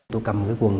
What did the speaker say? tôi cầm cái quần